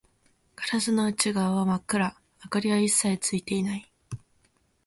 ガラスの内側は真っ暗、明かりは一切ついていない